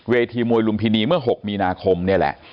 เวทีมวยลุมพินีเมื่อ๖มีนาคมนี่แหละ